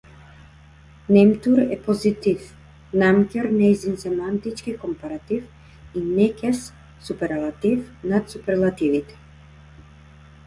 Немтур е позитив, намќор нејзин семантички компаратив и некез суперлатив над суперлативите.